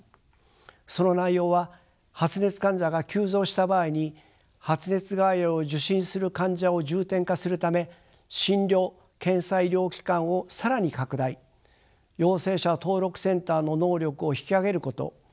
その内容は発熱患者が急増した場合に発熱外来を受診する患者を重点化するため診療・検査医療機関を更に拡大陽性者登録センターの能力を引き上げること。